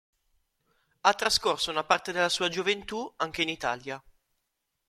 Ha trascorso una parte della sua gioventù anche in Italia.